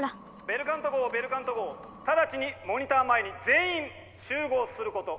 「ベルカント号ベルカント号ただちにモニター前に全員集合すること」。